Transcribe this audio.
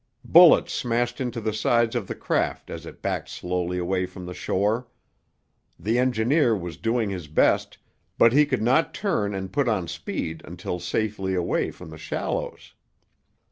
Bullets smashed into the sides of the craft as it backed slowly away from the shore. The engineer was doing his best, but he could not turn and put on speed until safely away from the shallows.